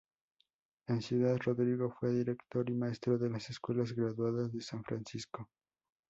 En Ciudad Rodrigo fue director y maestro de las Escuelas Graduadas de San Francisco.